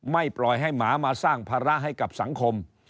ปล่อยให้หมามาสร้างภาระให้กับสังคม